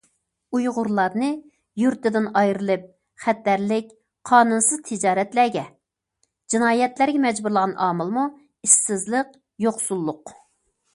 ئۇيغۇرلارنى يۇرتىدىن ئايرىلىپ، خەتەرلىك، قانۇنسىز تىجارەتلەرگە، جىنايەتلەرگە مەجبۇرلىغان ئامىلمۇ ئىشسىزلىق، يوقسۇللۇق.